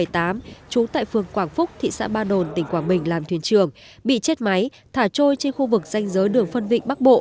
trú tại phường quảng phúc thị xã ba đồn tỉnh quảng bình làm thuyền trường bị chết máy thả trôi trên khu vực danh giới đường phân vịnh bắc bộ